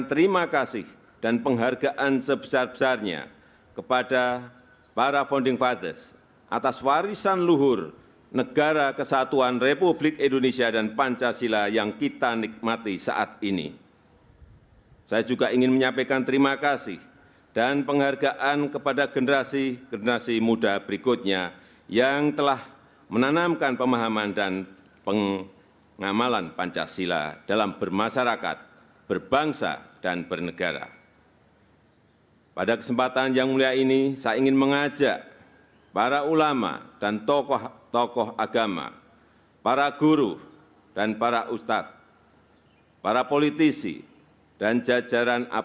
tanda kebesaran buka hormat senjata